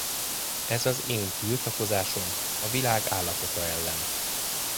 Ez az én tiltakozásom a világ állapota ellen.